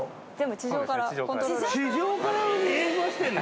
地上から動かしてんの？